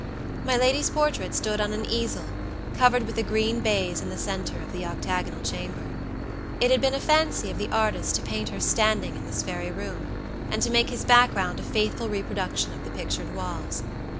My lady's portrait stood on an easel, covered with a green baize in the center of the octagonal chamber. It had been a fancy of the artist to paint her standing in this very room, and to make his background a faithful reproduction of the pictured walls.